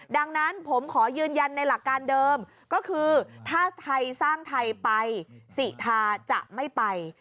ดังนั้นผมขอยืนยันในหลักการเดิมก็คือถ้าไทยสร้างไทยไปสิทาจะไม่ไป